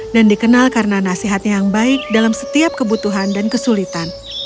dikenal karena nasihatnya yang baik dalam setiap kebutuhan dan kesulitan